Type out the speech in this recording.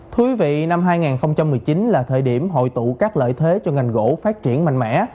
thưa quý vị năm hai nghìn một mươi chín là thời điểm hội tụ các lợi thế cho ngành gỗ phát triển mạnh mẽ